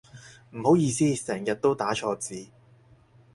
唔好意思成日都打錯字